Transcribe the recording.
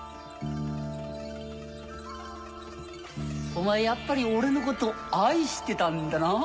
お前やっぱり俺のこと愛してたんだな。